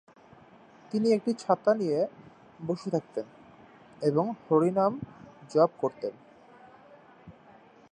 তিনি একটি ছাতা নিয়ে বসে থাকতেন এবং হরিনাম জপ করতেন।